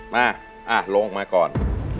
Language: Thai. มาลงมาก่อน